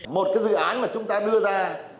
một dự án mà chúng ta đưa ra